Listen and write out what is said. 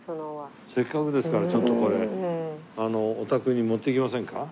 せっかくですからちょっとこれお宅に持っていきませんか？